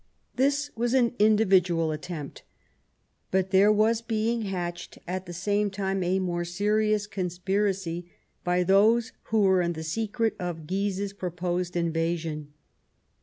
This was an individual attempt. But there was being hatched at the same time a more serious conspiracy by those who were in the secret of Guise's proposed invasion.